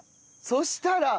そしたら。